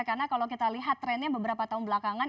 karena kalau kita lihat trennya beberapa tahun belakangan